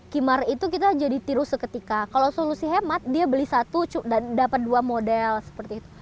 kimar itu kita jadi tiru seketika kalau solusi hemat dia beli satu dan dapat dua model seperti itu